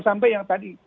sampai yang tadi